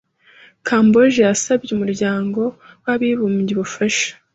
Kamboje yasabye Umuryango w’abibumbye ubufasha.